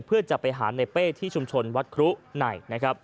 เพื่อจะไปหาในเป้ที่ชุมชนวัดครู้ไหน